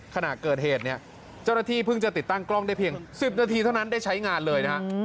ขณะเกิดเหตุเนี่ยเจ้าหน้าที่เพิ่งจะติดตั้งกล้องได้เพียง๑๐นาทีเท่านั้นได้ใช้งานเลยนะฮะ